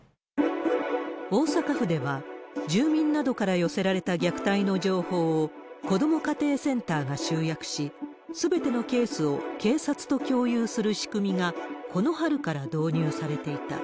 大阪府では、住民などから寄せられた虐待の情報を、子ども家庭センターが集約し、すべてのケースを警察と共有する仕組みがこの春から導入されていた。